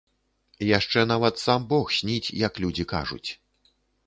Яшчэ нават сам бог сніць, як людзі кажуць.